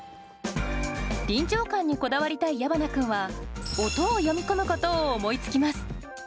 臨場感にこだわりたい矢花君は音を詠み込むことを思いつきます。